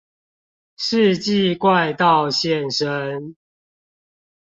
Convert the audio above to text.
世紀怪盜現身